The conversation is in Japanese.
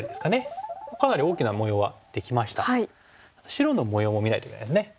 白の模様も見ないといけないですね。